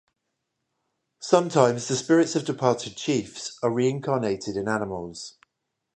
Sometimes the spirits of departed chiefs are reincarnated in animals.